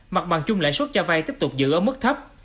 mặt bằng chung lãi suất cho vay tiếp tục giữ ở mức thấp